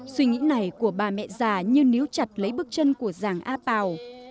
suy nghĩ này của bà mẹ già như níu chặt lấy bước chân của giàng a pào